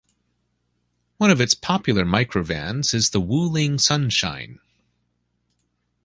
One of its popular microvans is the Wuling Sunshine.